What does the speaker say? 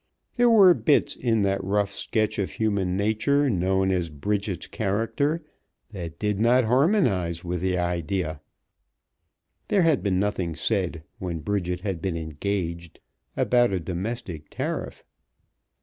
There were bits in that rough sketch of human nature known as Bridget's character that did not harmonize with the idea. There had been nothing said, when Bridget had been engaged, about a domestic tariff.